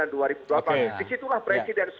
dua ribu delapan disitulah presiden